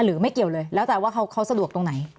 หรือไม่เกี่ยวเลยแล้วแต่ว่าเขาสะดวกตรงไหน